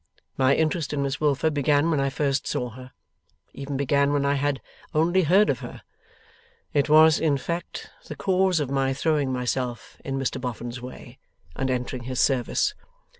My interest in Miss Wilfer began when I first saw her; even began when I had only heard of her. It was, in fact, the cause of my throwing myself in Mr Boffin's way, and entering his service.